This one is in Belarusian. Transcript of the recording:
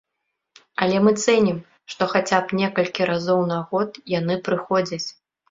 Але мы цэнім, што хаця б некалькі разоў на год яны прыходзяць.